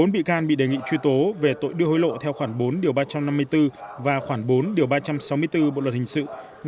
bốn bị can bị đề nghị truy tố về tội đưa hối lộ theo khoảng bốn điều ba trăm năm mươi bốn và khoảng bốn điều ba trăm sáu mươi bốn bộ luật hình sự